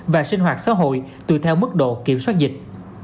và sinh hoạt xã hội tùy theo mức độ kiểm soát dịch